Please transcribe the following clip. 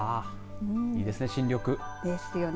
いいですね、新緑。ですよね。